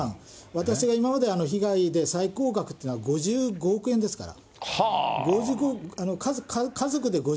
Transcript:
私が今まで被害で最高額というのは５５億円ですから。